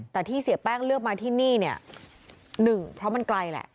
แต่ที่เสียแป้งเลือกมาที่นี่เนี่ยหนึ่งเพราะมันไกลแหละ